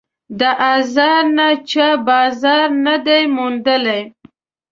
د آزار نه چا بازار نه دی موندلی